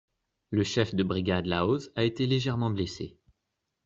Le chef de brigade Lahoz a été légèrement blessé.